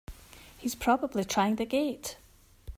He's probably trying the gate!